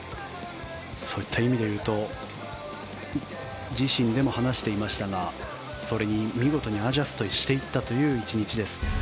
そういった意味でいうと自身でも話していましたがそれに見事にアジャストしていったという１日です。